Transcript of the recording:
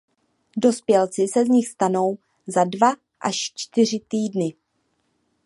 Dospělci se z nich stanou za dva až čtyři týdny.